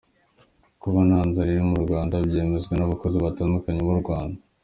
Kuba nta nzara iri mu Rwanda, byemezwa n’abayobozi batandukanye b’u Rwanda.